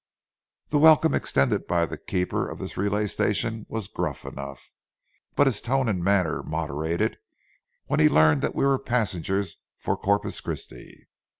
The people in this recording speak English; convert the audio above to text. The welcome extended by the keeper of this relay station was gruff enough. But his tone and manner moderated when he learned we were passengers for Corpus Christi.